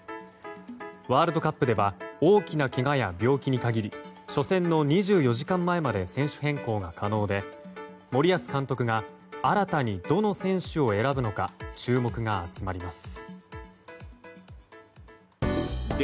ワールドカップでは大きなけがや病気に限り初戦の２４時間前まで選手変更が可能で森保監督が新たにどの選手を選ぶのか注目が集まります。